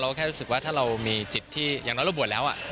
แค่รู้สึกว่าถ้าเรามีจิตที่อย่างน้อยเราบวชแล้ว